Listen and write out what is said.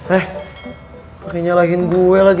eh pakai nyalahin gue lagi